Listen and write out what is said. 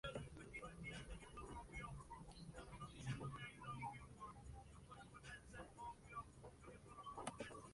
El joven pretendiente debió huir y ocultarse en casas de sus partidarios durante meses.